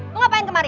lu ngapain kemari